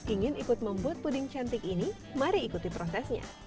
ingin ikut membuat puding cantik ini mari ikuti prosesnya